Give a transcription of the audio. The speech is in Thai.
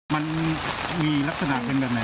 มันมีลักษณะเป็นแบบไหน